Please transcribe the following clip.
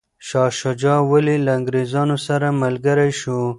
شاه شجاع ولي له انګریزانو سره ملګری شو؟